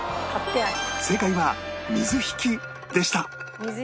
正解は水引でした